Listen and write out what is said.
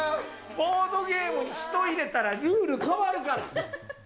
ボードゲームに人入れたらルール変わるから。